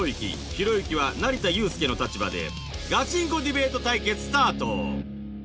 ひろゆきは「成田悠輔」の立場でガチンコディベート対決スタート